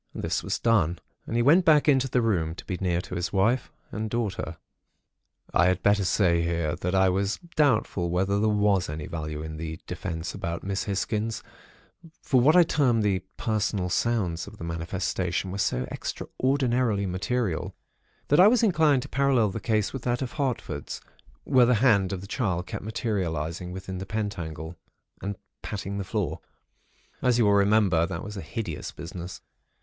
This was done, and he went back into the room, to be near his wife and daughter. "I had better say here, that I was doubtful whether there was any value in the 'defense' about Miss Hisgins; for what I term the 'personal sounds' of the manifestation were so extraordinarily material, that I was inclined to parallel the case with that of Hartford's, where the hand of the child kept materialising within the pentacle, and patting the floor. As you will remember, that was a hideous business.